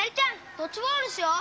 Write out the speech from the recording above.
ドッジボールしよう！